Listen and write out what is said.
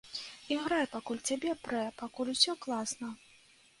Іграй, пакуль цябе прэ, пакуль усё класна!